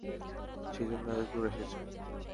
সেজন্যই এতদূর এসেছ!